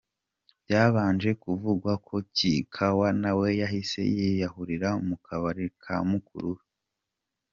Byabanje kuvugwa ko Kikaawa nawe yahise yiyahurira mu kabari ka mukuru we.